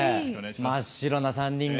真っ白な３人が。